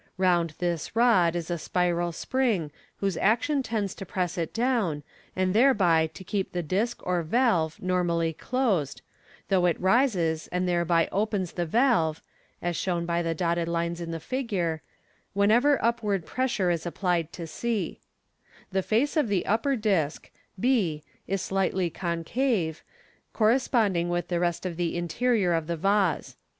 Round this rod is a spiral spring, whose action tends to press it down, and thereby to keep the disc or valve normally closed, though it rises, and thereby opens the valve (as shown by the dotted lines in the figure), whenever upward pressure is applied to c The face of the upper disc, bf is slightly concave, corresponding with the rest of the interior of the vase.